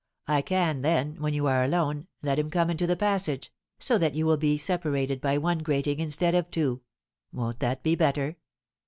I can then, when you are alone, let him come into the passage, so that you will be separated by one grating instead of two. Won't that be better?"